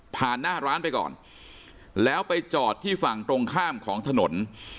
หน้าร้านไปก่อนแล้วไปจอดที่ฝั่งตรงข้ามของถนน